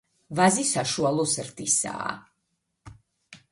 ვაზი საშუალო ზრდისაა.